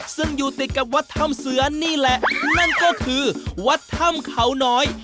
ซึ่งอยู่ติดกับวัดถ้ำเสือนี่แหละนั่นก็คือวัดถ้ำเขาน้อย